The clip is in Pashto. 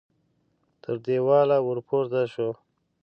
تر دېواله ور پورته شو.